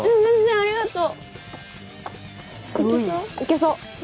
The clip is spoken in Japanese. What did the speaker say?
ありがとう。